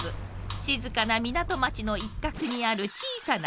静かな港町の一角にある小さなお店。